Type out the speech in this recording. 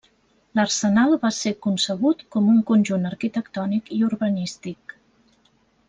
L'Arsenal va ser concebut com un conjunt arquitectònic i urbanístic.